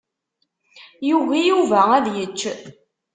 Yugi Yuba ad yečč.